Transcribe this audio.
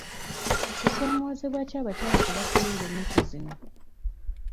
Kusoomozebwa ki abakyala kwe basanga ennaku zino?